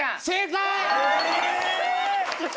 正解！